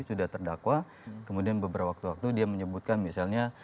sudah terdakwa kemudian beberapa waktu waktu dia menyebutkan misalnya